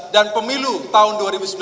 dan pemilu tahun dua ribu sembilan belas